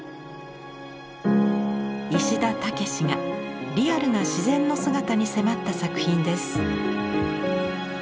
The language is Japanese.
石田武がリアルな自然の姿に迫った作品です。